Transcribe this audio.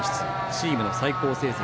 チームの最高成績